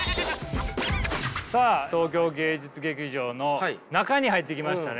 さあ東京芸術劇場の中に入ってきましたね。